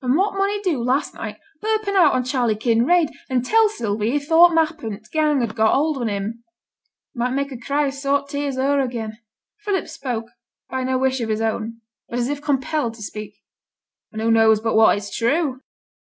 And what mun he do last night but open out on Charley Kinraid, and tell Sylvie he thought m'appen t' gang had got hold on him. It might make her cry a' her saut tears o'er again.' Philip spoke, by no wish of his own, but as if compelled to speak. 'An' who knows but what it's true?'